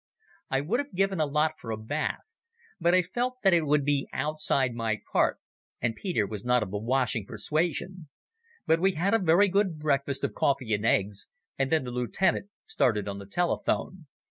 I would have given a lot for a bath, but I felt that it would be outside my part, and Peter was not of the washing persuasion. But we had a very good breakfast of coffee and eggs, and then the lieutenant started on the telephone.